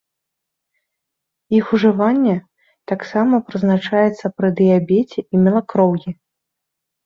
Іх ужыванне таксама прызначаецца пры дыябеце і малакроўі.